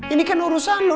ini kan urusan lo